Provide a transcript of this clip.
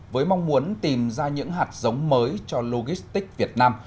với mong muốn tìm ra những hạt giống mới cho logistics việt nam